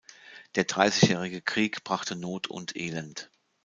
Der Dreißigjährige Krieg brachte Not und Elend.